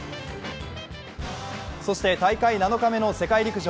そして大会７日目の世界陸上。